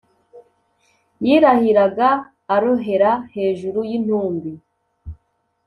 yirahiraga arohera hejuru y’intumbi